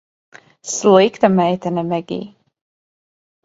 Slikta meitene, Megij.